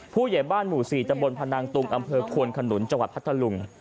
ผู้ใหญ่บ้านหมู่๔ตำบลพนังตุงอำเภอควนขนุนจังหวัดพัทธลุง